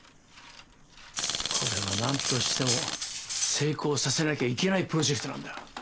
これは何としても成功させなきゃいけないプロジェクトなんだ。